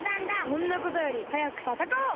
そんなことよりはやくたたかおう！